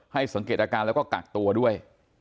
สังเกตอาการแล้วก็กักตัวด้วย